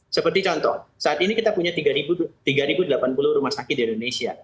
seperti contoh saat ini kita punya tiga delapan puluh rumah sakit di indonesia